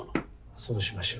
そうしましょう。